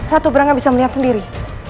ratu brangga bisa melihat sendiri